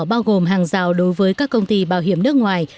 bao gồm hàng rào đối với các công ty bảo hiểm nước ngoài